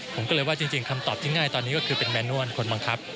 ผมก็เลยว่าจริงคำตอบที่ง่ายตอนนี้ก็คือเป็นแมนวลคนบังคับ